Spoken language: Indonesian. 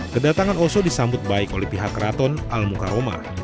kedatangan osok disambut baik oleh pihak kraton almukaroma